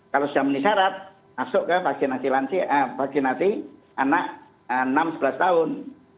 kalau sudah menisarat masuk ke vaksinasi anak enam sebelas tahun